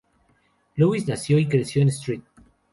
Louis nació y creció en St.